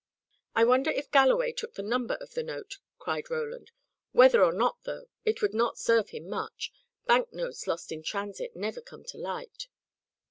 "I wonder if Galloway took the number of the note?" cried Roland. "Whether or not, though, it would not serve him much: bank notes lost in transit never come to light."